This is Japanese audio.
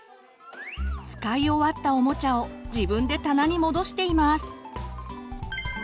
使い終わったおもちゃを自分で棚に戻しています。